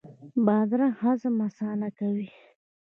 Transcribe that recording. بادرنګ هضم اسانه کوي.